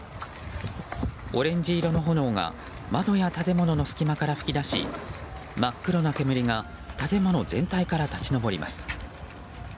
オレンジ色の炎が窓や建物の隙間から噴き出し真っ黒な煙が建物全体から立ち上ります。